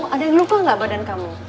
ada yang lupa nggak badan kamu